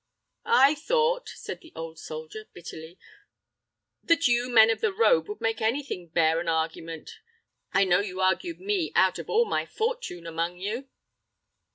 "I thought," said the old soldier, bitterly, "that you men of the robe would make any thing bear an argument. I know you argued me out of all my fortune among you."